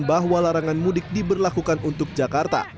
bahwa larangan mudik diberlakukan untuk jakarta